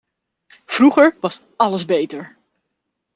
Vroeger was alles beter.